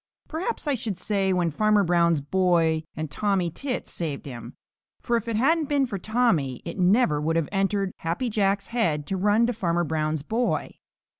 Perhaps I should say when Farmer Brown's boy and Tommy Tit saved him, for if it hadn't been for Tommy, it never would have entered Happy Jack's head to run to Farmer Brown's boy.